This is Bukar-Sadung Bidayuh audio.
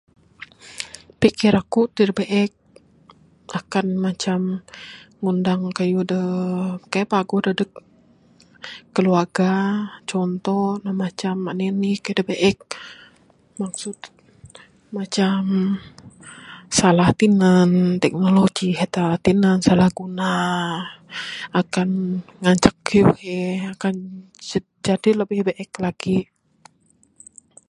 Pikir aku terbiek akan macam ngundang kayuh da kaik paguh dadeg keluarga contoh ne macam anih anih kayuh da biek. Maksud, macam salah tinan, teknologi he da, salah tinan, salah guna akan ngancak kayuh he akan jadi lebih biek lagi.